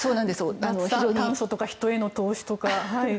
脱炭素とか人への投資とか。